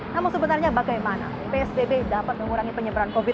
namun sebenarnya bagaimana psbb dapat mengurangi penyebaran covid sembilan belas